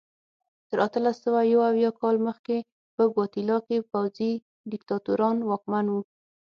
تر اتلس سوه یو اویا کال مخکې په ګواتیلا کې پوځي دیکتاتوران واکمن وو.